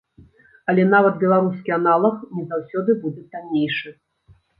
Але нават беларускі аналаг не заўсёды будзе таннейшы.